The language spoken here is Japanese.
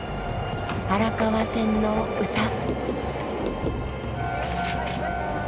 荒川線の歌。